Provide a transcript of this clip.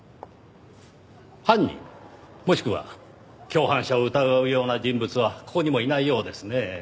犯人もしくは共犯者を疑うような人物はここにもいないようですねぇ。